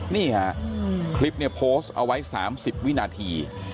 นี่คลิปนี้โพสเอาไว้๓๐วินาที